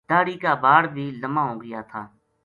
داڑھی کا باڑ بھی لما ہو گیا تھا